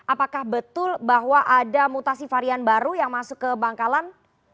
apakah betul bahwa ada mutasi varian baru yang masuk ke bangkalan